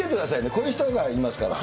こういう人がいますから。